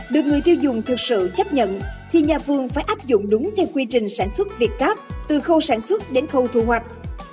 được người tiêu dùng thực sự chấp nhận thì nhà vườn phải áp dụng đúng theo quy trình sản xuất việt cáp từ khâu sản xuất đến khâu thu hoạch